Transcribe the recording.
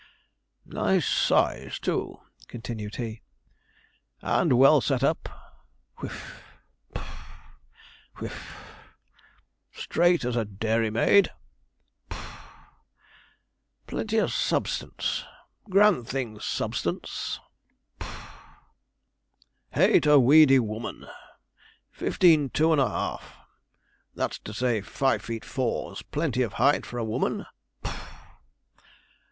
'Nice size too,' continued he, 'and well set up (whiff, puff, whiff); 'straight as a dairy maid' (puff); 'plenty of substance grand thing substance' (puff). 'Hate a weedy woman fifteen two and a half that's to say, five feet four's plenty of height for a woman' (puff).